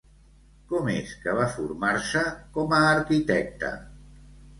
Com és que va formar-se com a arquitecta?